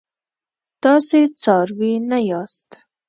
تاسي څاروي نه یاست.